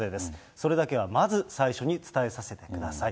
それだけはまず最初に伝えさせてください。